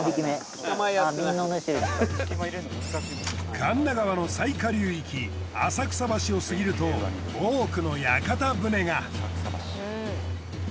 神田川の最下流域浅草橋を過ぎると多くの屋形船が。